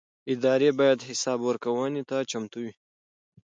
ادارې باید حساب ورکونې ته چمتو وي